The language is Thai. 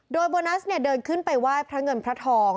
โดยโบนัสเดินขึ้นไปว่ายพระเงินพระทอง